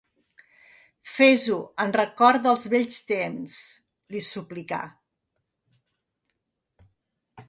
Fes-ho en record dels vells temps —li suplicà.